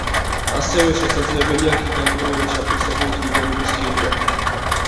ასევე შესაძლებელია გიგანტური ვეშაპისებრი ზვიგენების ხილვა.